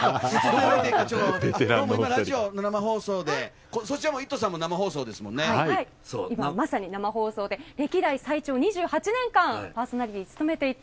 どうも今ラジオの生放送でそちらも「イット！」さんの今、まさに生放送で歴代最長、２８年間パーソナリティーを務めていて。